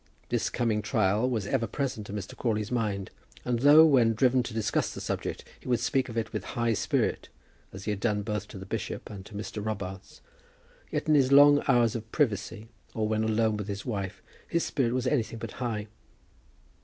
This coming trial was ever present to Mr. Crawley's mind, and though, when driven to discuss the subject, he would speak of it with high spirit, as he had done both to the bishop and to Mr. Robarts, yet in his long hours of privacy, or when alone with his wife, his spirit was anything but high.